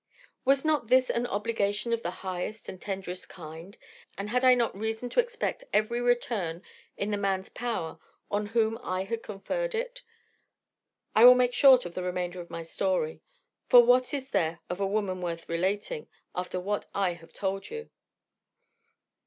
"Was not this an obligation of the highest and tenderest kind, and had I not reason to expect every return in the man's power on whom I had conferred it? I will make short of the remainder of my story, for what is there of a woman worth relating, after what I have told you?